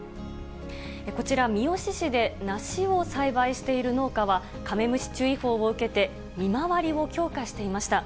こちら、三次市で梨を栽培している農家は、カメムシ注意報を受けて、見回りを強化していました。